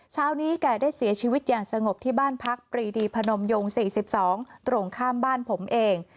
เช้านี้แกได้เสียชีวิตอย่างสงบที่บ้านพักปรีดีพนมยง๔๒ตรงข้ามบ้านผมเอง